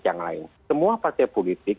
yang lain semua partai politik